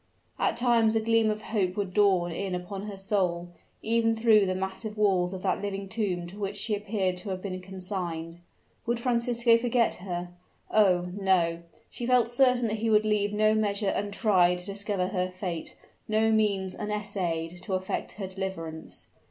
At times a gleam of hope would dawn in upon her soul, even through the massive walls of that living tomb to which she appeared to have been consigned. Would Francisco forget her? Oh! no, she felt certain that he would leave no measure untried to discover her fate, no means unessayed to effect her deliverance.